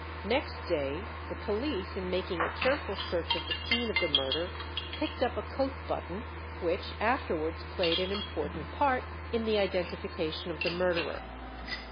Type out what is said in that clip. Next day the police, in making a careful search of the scene of the murder, picked up a coat button, which afterwards played an important part in the identification of the murderer.